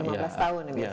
ya lima belas tahun biasanya